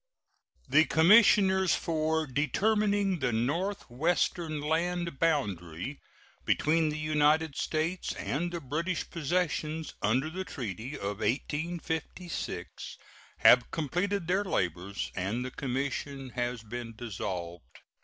The commissioners for determining the northwestern land boundary between the United States and the British possessions under the treaty of 1856 have completed their labors, and the commission has been dissolved.